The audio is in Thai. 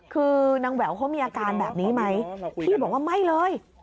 คือนางแหววเขามีอาการแบบนี้ไหมพี่บอกว่าไม่เลย